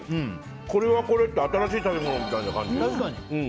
これはこれで新しい食べ物みたいな感じで。